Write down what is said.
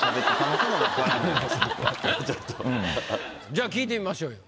じゃあ聞いてみましょうよ。